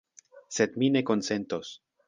Sed mi ne konsentos.